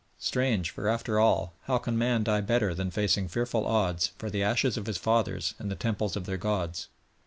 Strange, for, after all, "how can man die better than facing fearful odds, for the ashes of his fathers, and the temples of their gods?"